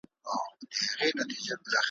زه د رباب زه د شهباز په ژبه نظم لیکم `